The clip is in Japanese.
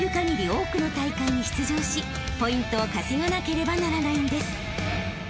多くの大会に出場しポイントを稼がなければならないんです］